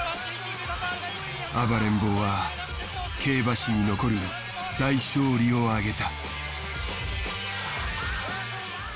暴れん坊は競馬史に残る大勝利を挙げた。